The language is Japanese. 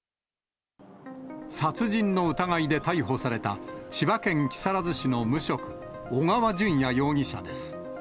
殺人の疑いで逮捕された、千葉県木更津市の無職、小川順也容疑者です。